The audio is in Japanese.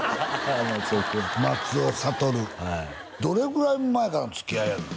松尾君松尾諭はいどれぐらい前からのつきあいやの？